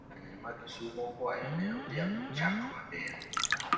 Jopiny e bomani ma kisumu okuayo ne moluor Odhiambo chang mapiyo.